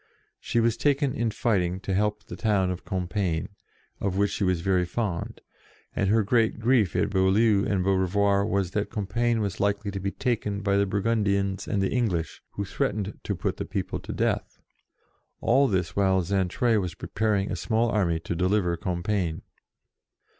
She was taken in fighting to help the town of Compiegne, of which she was very fond, and her great grief at Beaulieu and Beaurevoir was that Compiegne was likely to be taken by the Burgundians and English, who threatened to put the people to death. All this while Xaintrailles was preparing a small army to deliver Compiegne.